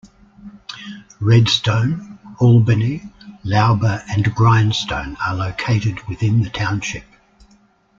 Redstone, Albany, Lowber, and Grindstone are located within the township.